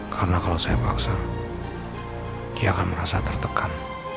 karena kalau saya paksa dia akan merasa tertekan